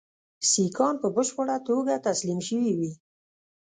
سیکهان په بشپړه توګه تسلیم شوي وي.